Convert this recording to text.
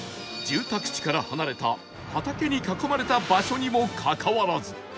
住宅地から離れた畑に囲まれた場所にもかかわらず